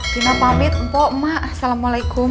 tina pamit mpok mak assalamualaikum